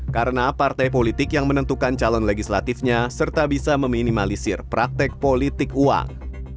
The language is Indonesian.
karena partai politik yang menentukan calon legislatifnya serta bisa meminimalisir praktek politik uang